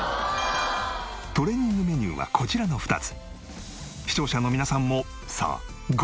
トレーニングメニューはこちらの２つ。